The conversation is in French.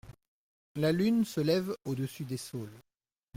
La lune se lève au-dessus des saules.